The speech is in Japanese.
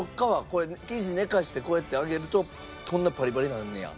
これ生地寝かしてこうやって揚げるとこんなパリパリになんねや。